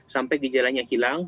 sampai gejalanya hilang